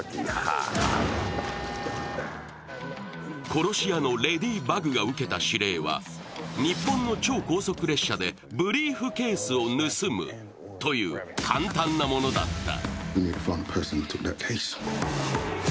殺し屋のレディバグが受けた指令は日本の超高速列車でブリーフケースを盗むという簡単なものだった。